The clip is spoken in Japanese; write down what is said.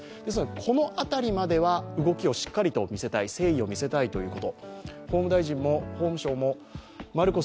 この辺りまでは動きをしっかり見せたい、誠意を見せたいということ。